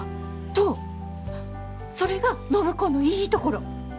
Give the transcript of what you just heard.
それが暢子のいいところ！